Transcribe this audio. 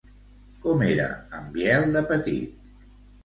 Com era en Biel de petit?